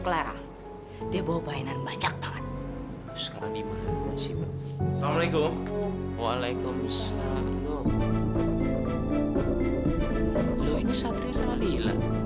loh ini satri sama lila